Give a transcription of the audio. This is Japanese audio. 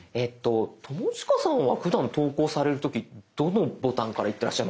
友近さんはふだん投稿される時どのボタンからいってらっしゃいますか？